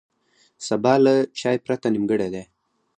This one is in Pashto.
سبا له چای پرته نیمګړی دی.